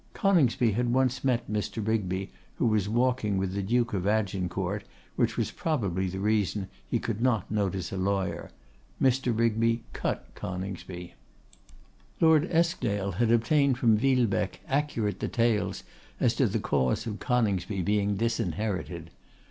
Coningsby had once met Mr. Rigby, who was walking with the Duke of Agincourt, which was probably the reason he could not notice a lawyer. Mr. Rigby cut Coningsby. Lord Eskdale had obtained from Villebecque accurate details as to the cause of Coningsby being disinherited.